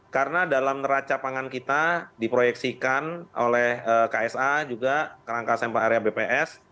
karena dalam neraca pangan kita diproyeksikan oleh ksa juga kerangka sampah area bps